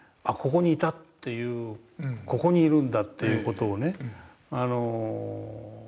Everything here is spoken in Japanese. ここにいたっていうここにいるんだっていう事をね